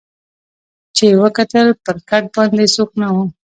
چي یې وکتل پر کټ باندي څوک نه وو